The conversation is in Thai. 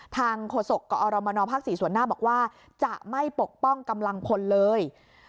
โฆษกกอรมนภ๔ส่วนหน้าบอกว่าจะไม่ปกป้องกำลังพลเลย